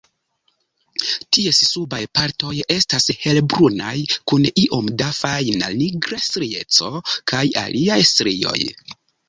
Ties subaj partoj estas helbrunaj kun iom da fajna nigra strieco kaj aliaj strioj.